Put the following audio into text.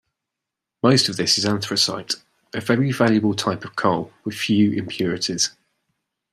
Most of this is anthracite, a very valuable type of coal with few impurities.